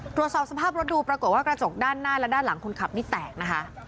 ตรวจสอบสภาพรถดูปรากฏว่ากระจกด้านหน้าและด้านหลังคนขับนี่แตกนะคะ